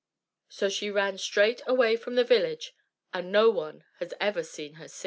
So she ran straight away from the village, and no one has ever seen her since.